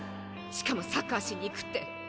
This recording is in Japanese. しかもサッカーしに行くって。